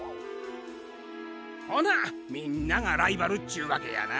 ほなみんながライバルっちゅうわけやな。